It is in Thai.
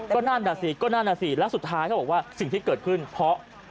ก็นั่นแหละสิแล้วสุดท้ายเขาบอกว่าสิ่งที่เกิดขึ้นเพราะ